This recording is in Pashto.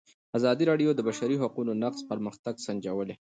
ازادي راډیو د د بشري حقونو نقض پرمختګ سنجولی.